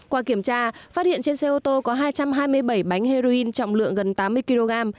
qua kiểm tra phát hiện trên xe ô tô có hai trăm hai mươi bảy bánh heroin trọng lượng gần tám mươi kg